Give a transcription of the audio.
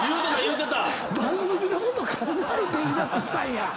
番組のこと考えてイラッとしたんや。